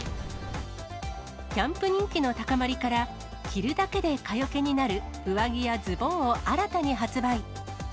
キャンプ人気の高まりから、着るだけで蚊よけになる上着やズボンを新たに発売。